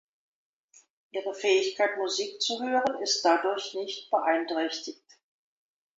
Ihre Fähigkeit Musik zu hören ist dadurch nicht beeinträchtigt.